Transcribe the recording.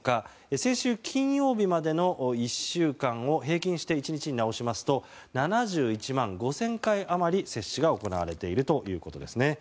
先週金曜日までの１週間を平均して１日に直しますと７１万５０００回余り接種が行われているということです。